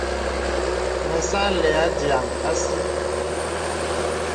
Me sà àlə̄ adiāŋ àsi.